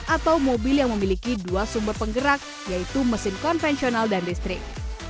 atau mobil yang memiliki dua sumber penggerak yaitu mesin konvensional dan listrik